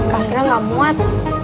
kasurnya gak muat